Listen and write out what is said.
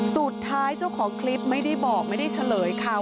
เจ้าของคลิปไม่ได้บอกไม่ได้เฉลยค่ะ